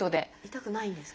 痛くないんですか？